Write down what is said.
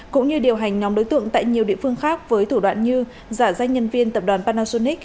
cũng như điều hành nhóm đối tượng tại nhiều địa phương khác với thủ đoạn như giả danh nhân viên tập đoàn panasonic